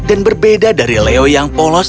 dan berbeda dari leo yang polos